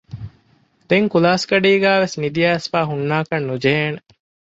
ދެން ކުލާސްގަޑީގައިވެސް ނިދިއައިސްފައި ހުންނާކަށް ނުޖެހޭނެ